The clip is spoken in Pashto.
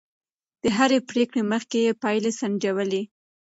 د هرې پرېکړې مخکې يې پايلې سنجولې.